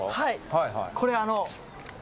これあの。